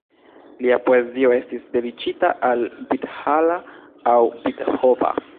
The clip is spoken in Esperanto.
Lia poezio estis dediĉita al Vitthala aŭ Vithoba.